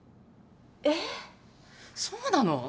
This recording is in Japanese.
えっそうなの？